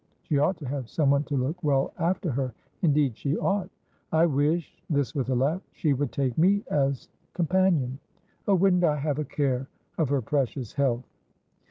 She ought to have some one to look well after her, indeed she ought. I wish"this with a laugh"she would take me as companion. Oh, wouldn't I have a care of her precious health!"